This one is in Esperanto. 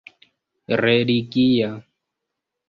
religia